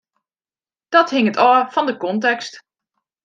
Dat hinget ôf fan de kontekst.